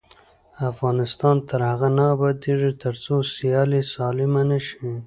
افغانستان تر هغو نه ابادیږي، ترڅو سیالي سالمه نشي.